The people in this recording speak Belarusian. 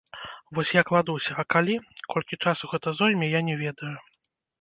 Вось я кладуся, а калі, колькі часу гэта зойме, я не ведаю.